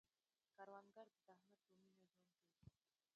کروندګر د زحمت په مینه ژوند کوي